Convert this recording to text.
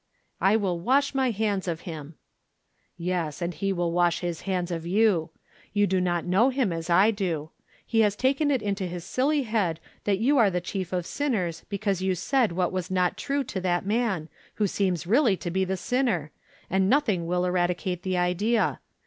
"I will wash my hands of him." "Yes; and he will wash his hands of you. You do not know him as I do. He has taken it into his silly head that you are the chief of sinners because you said what was not true to that man, who seems really to be the sinner, and nothing will eradicate the idea.